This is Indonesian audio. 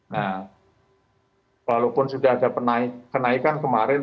nah walaupun sudah ada kenaikan kemarin